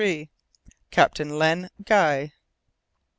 CAPTAIN LEN GUY.